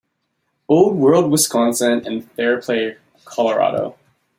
Old World Wisconsin and Fairplay, Colorado.